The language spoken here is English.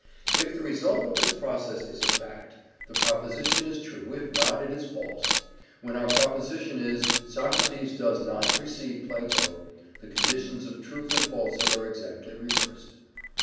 If the result of this process is a fact, the proposition is true; if not, it is false. When our proposition is "Socrates does not precede Plato," the conditions of truth and falsehood are exactly reversed.